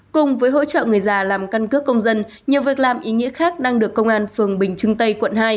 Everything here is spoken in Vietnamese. cùng với hỗ trợ người già làm căn cước công dân nhiều việc làm ý nghĩa khác đang được công an phường bình trưng tây quận hai